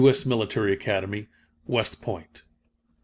S. Military Academy, West Point.